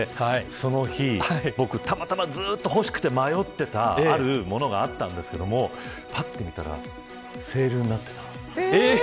その日、僕たまたまずっと欲しくて迷っていたあるものがあったんですけれどもぱっと見たらセールになっていた。